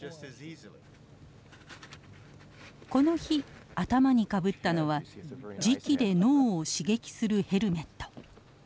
この日頭にかぶったのは磁気で脳を刺激するヘルメット。